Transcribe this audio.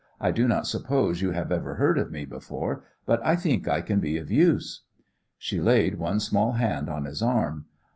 I do not suppose you have ever heard of me before, but I think I can be of use." She laid one small hand on his arm.